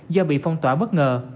do bị phong tỏa bất ngờ